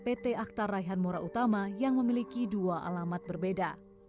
pt akta raihan mora utama yang memiliki dua alamat berbeda